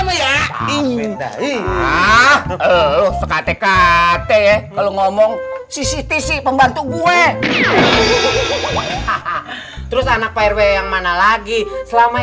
mah ya ih ah lu sekatekatek lu ngomong si siti si pembantu gue terus anak prw yang mana lagi selama